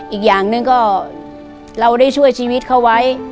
อีกอย่างหนึ่งก็เราได้ช่วยชีวิตเขาไว้